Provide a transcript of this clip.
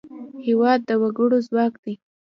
هېواد د وګړو ځواک دی.